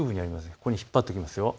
ここに引っ張っていきますよ。